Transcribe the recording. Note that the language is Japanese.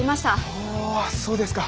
おそうですか。